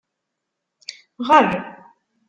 Ɣer.